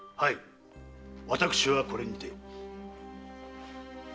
私はこれにて。